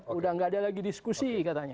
sudah tidak ada lagi diskusi katanya